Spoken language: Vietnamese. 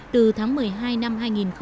từ tháng một mươi hai năm hai nghìn một mươi bảy